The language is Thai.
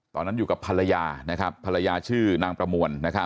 ตอนนั้นอยู่กับภรรยาภรรยาชื่อนางประมวล